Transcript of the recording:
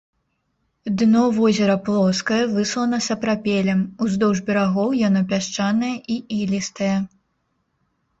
Дно возера плоскае, выслана сапрапелем, уздоўж берагоў яно пясчанае і ілістае.